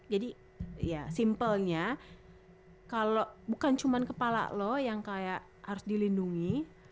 jadi ya simpelnya kalau bukan cuma kepala lo yang kayak harus dilindungi